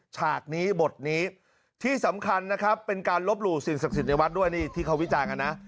ฉากนี้บทนี้ที่สำคัญนะครับเป็นการลบหลู่สิ่งศักดิ์สิทธิ์ในวัดด้วยนี่ที่เขาวิจารณ์กันนะ